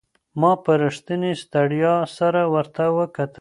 ما په رښتینې ستړیا سره ورته وکتل.